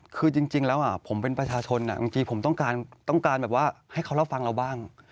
คือจริงแล้วผมเป็นประชาชนจริงผมต้องการแบบว่าให้เขารับฟังเราบ้าง